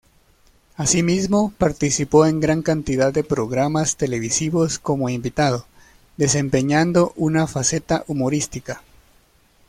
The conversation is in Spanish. Asimismo, participó en gran cantidad de programas televisivos como invitado, desempeñando una faceta humorística.